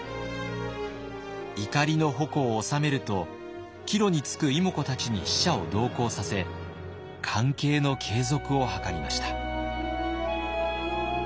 怒りの矛を収めると帰路につく妹子たちに使者を同行させ関係の継続を図りました。